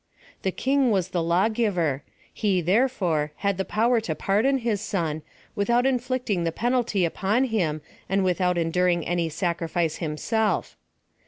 The kinn was the lawgiver ; he, therefore, had the power to pardon his son, without inflicting the penalty upon him, and without enduring any sacrifice himself.